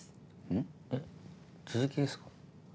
えっ続きですか？